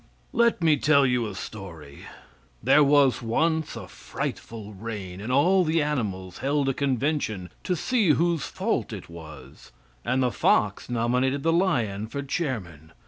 Let me tell you a story. There was once a frightful rain, and all the animals held a convention, to see whose fault it was, and the fox nominated the lion for chairman.